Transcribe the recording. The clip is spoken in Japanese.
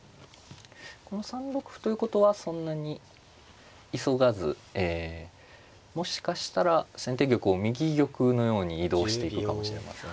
この３六歩ということはそんなに急がずもしかしたら先手玉を右玉のように移動していくかもしれません。